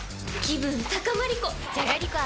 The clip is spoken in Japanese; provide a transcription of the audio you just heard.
気分たかまりこ！